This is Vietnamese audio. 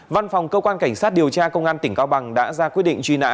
văn phòng cơ quan cảnh sát điều tra công an tỉnh cao bằng đã ra quyết định truy nã